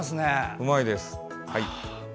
うまいです。